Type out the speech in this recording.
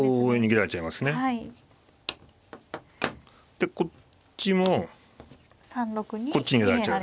でこっちもこっちに逃げられちゃう。